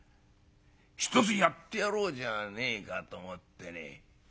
ひとつやってやろうじゃねえかと思ってねえ？